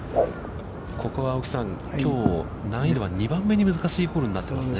ここは青木さん、難易度は２番目に難しいホールになっていますね。